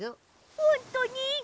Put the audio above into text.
ほんとに？